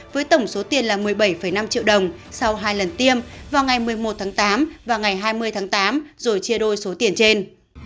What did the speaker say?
với tổng số tiền là một mươi bảy năm triệu đồng sau hai lần tiêm vào ngày một mươi một tháng tám và ngày hai mươi tháng tám rồi chia đôi số tiền trên